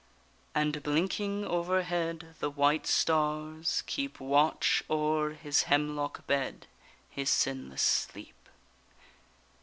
And blinking overhead the white stars keep Watch o'er his hemlock bed his sinless sleep.